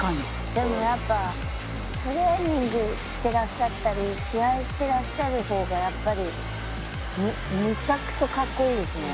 「でもやっぱトレーニングしてらっしゃったり試合してらっしゃる方がやっぱりむちゃくそ格好いいですね」